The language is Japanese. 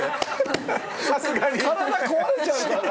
体壊れちゃうから。